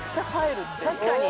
確かに！